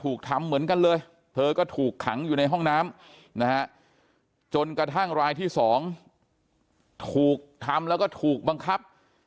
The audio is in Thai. ทำเหมือนกันเลยเธอก็ถูกขังอยู่ในห้องน้ำนะฮะจนกระทั่งรายที่๒ถูกทำแล้วก็ถูกบังคับ